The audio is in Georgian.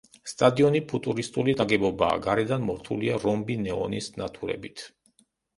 სტადიონი ფუტურისტული ნაგებობაა, გარედან მორთული რომბი ნეონის ნათურებით.